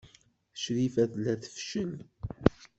Crifa tella tfeccel.